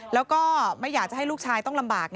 แล้วก็ไม่อยากจะให้ลูกชายต้องลำบาก